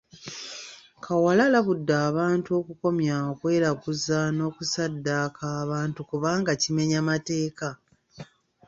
Kawala alabudde abantu okukomya okweraguza n’okusaddaaka abantu kubanga kimenya mateeka.